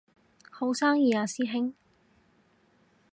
好生意啊師兄